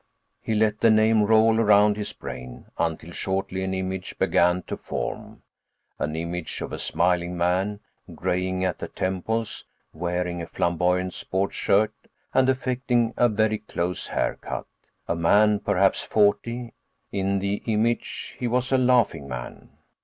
_ He let the name roll around his brain, until shortly an image began to form—an image of a smiling man, greying at the temples, wearing a flamboyant sports shirt and affecting a very close haircut. A man perhaps forty. In the image, he was a laughing man.